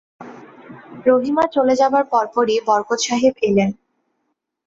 রহিমা চলে যাবার পরপরই বরকত সাহেব এলেন।